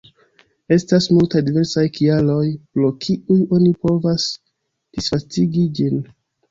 Estas multaj diversaj kialoj, pro kiuj oni provas disvastigi ĝin.